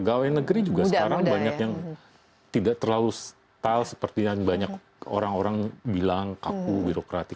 pegawai negeri juga sekarang banyak yang tidak terlalu style seperti yang banyak orang orang bilang kaku birokratik